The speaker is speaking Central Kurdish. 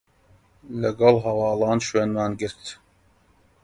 لەگەڵ هەواڵان شوێنمان گرت